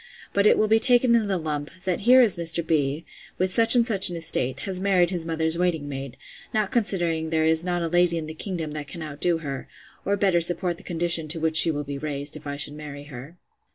But it will be taken in the lump; that here is Mr. B——, with such and such an estate, has married his mother's waiting maid: not considering there is not a lady in the kingdom that can out do her, or better support the condition to which she will be raised, if I should marry her.